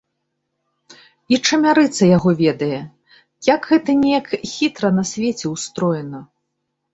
І чамярыца яго ведае, як гэта неяк хітра на свеце ўстроена!